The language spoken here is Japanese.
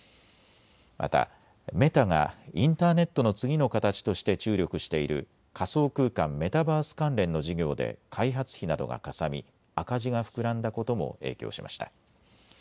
またメタがインターネットの次の形として注力している仮想空間、メタバース関連の事業で開発費などがかさみ赤字が膨らんだことも影響しました。